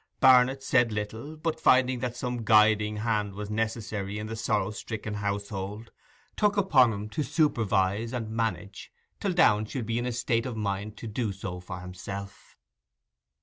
Barnet said little, but finding that some guiding hand was necessary in the sorrow stricken household, took upon him to supervise and manage till Downe should be in a state of mind to do so for himself.